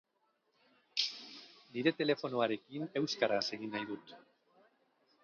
Nire telefonoarekin euskaraz egin nahi dut.